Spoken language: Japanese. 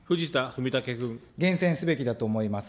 厳選すべきだと思います。